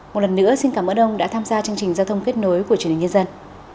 một lần nữa xin cảm ơn ông đã tham gia chương trình giao thông kết nối của truyền hình nhân dân